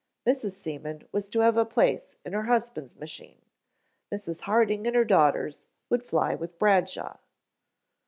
Mrs. Seaman was to have a place in her husband's machine, Mrs. Harding and her daughters would fly with Bradshaw.